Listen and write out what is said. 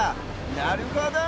なるほど！